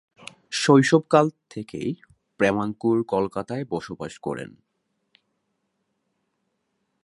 শৈশবকাল থেকেই প্রেমাঙ্কুর কলকাতায় বসবাস করেন।